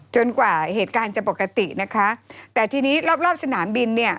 กว่าเหตุการณ์จะปกตินะคะแต่ทีนี้รอบรอบสนามบินเนี่ย